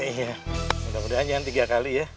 mudah mudahan jangan tiga kali ya